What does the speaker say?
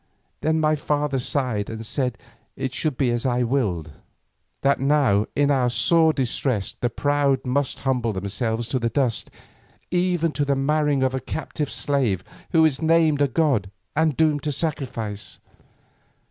Then my father sighed and said that it should be as I willed. And I said with the priests, that now in our sore distress the proud must humble themselves to the dust, even to the marrying of a captive slave who is named a god and doomed to sacrifice.